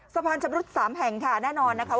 ชำรุด๓แห่งค่ะแน่นอนนะคะ